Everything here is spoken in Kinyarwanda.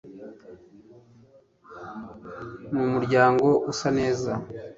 numuryango usa neza